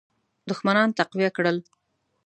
دښمنان تقویه کړل.